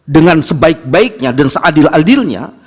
dengan sebaik baiknya dan seadil adilnya